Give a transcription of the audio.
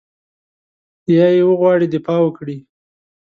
یا یې وغواړي دفاع وکړي.